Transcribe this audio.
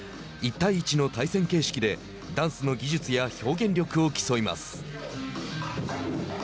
１対１の対戦形式でダンスの技術や表現力を競います。